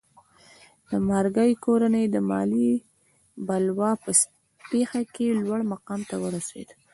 د مارګای کورنۍ د مالیې بلوا په پېښه کې لوړ مقام ته ورسېده.